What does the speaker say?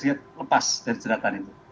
sedikit lepas dari ceratan itu